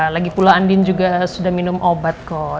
lagipula andin juga sudah minum obat kok